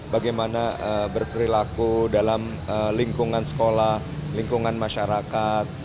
bagaimana berperilaku dalam lingkungan sekolah lingkungan masyarakat